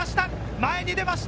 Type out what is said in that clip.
前に出ました。